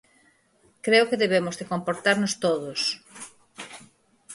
Creo que debemos de comportarnos todos.